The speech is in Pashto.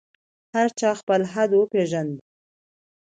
هر چا خپل حد وپېژاند.